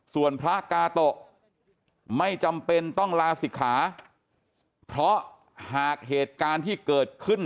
ส่วนพระกาโตะไม่จำเป็นต้องลาศิกขาเพราะหากเหตุการณ์ที่เกิดขึ้น